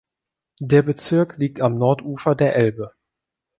Der Bezirk liegt am Nordufer der Elbe.